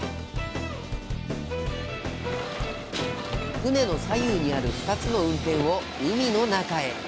船の左右にある２つのウンテンを海の中へ。